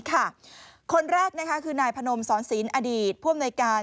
คนแรกคือนายพนมสอนศีลอดีตผู้อำนวยการ